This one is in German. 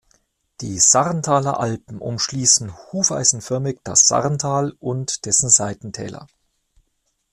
Die Sarntaler Alpen umschließen hufeisenförmig das Sarntal und dessen Seitentäler.